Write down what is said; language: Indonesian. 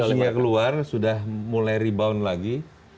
pengungsinya keluar sudah mulai rebound lagi